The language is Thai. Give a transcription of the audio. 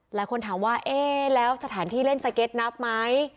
หลายคนถามว่าเอ๊ะแล้วสถานที่เล่นสเก็ตนับไหม